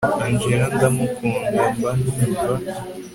angella ndamukunda mba numva